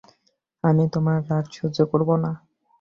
আমি তোমার রাগ সহ্য করব না।